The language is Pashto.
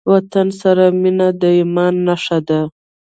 وطن سره مينه د ايمان نښه ده.